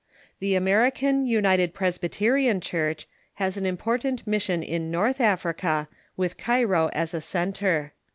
The Ameri can United Presbyterian Church has an important mission in North Africa, with Cairo as a centre.